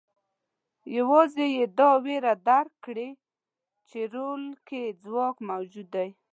یوازې یې دا وېره درک کړې چې رول کې ځواک موجود دی.